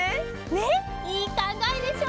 ねっいいかんがえでしょ。